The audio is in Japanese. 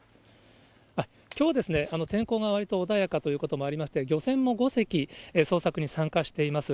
きょうは天候がわりと穏やかということもありまして、漁船も５隻、捜索に参加しています。